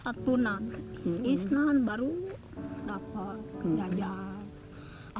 satu nan isnan baru dapat kerja aja